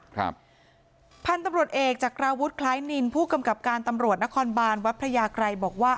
พันธุแล้วตำรวจเอกที่ทำรวดคล้ายมิลหูกราบตำรวจนครบานวัฒนภายาไกรบอกว่า